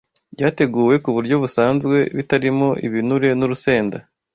byateguwe ku buryo busanzwe, bitarimo ibinure n’urusenda.